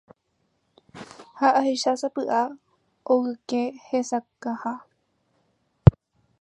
Ha ahechásapy'a ogyke hesakãha.